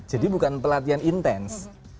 jadi bukan pelatihan intens